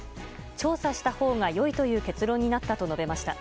調査したほうが良いという結論になったと述べました。